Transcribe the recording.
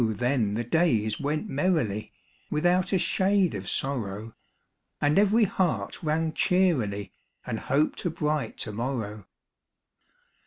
then the days went merrily, Without a shade of sorrow ; And every heart rang cheerily, And hoped a bright to morrow.